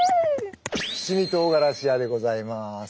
七味とうがらし屋でございます！